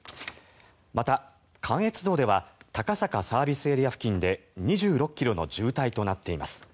また、関越道では高坂ＳＡ付近で２６ｋｍの渋滞となっています。